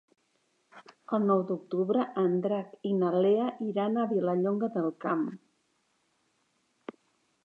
El nou d'octubre en Drac i na Lea iran a Vilallonga del Camp.